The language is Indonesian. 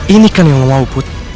ini kan yang mau put